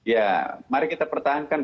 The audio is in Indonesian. ya mari kita pertahankan